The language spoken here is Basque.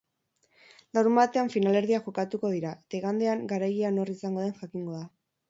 Larunbatean finalerdiak jokatuko dira eta igandean garailea nor izango den jakingo da.